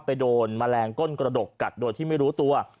โดนแมลงก้นกระดกกัดโดยที่ไม่รู้ตัว